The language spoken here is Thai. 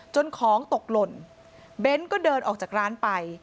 ของตกหล่นเบ้นก็เดินออกจากร้านไป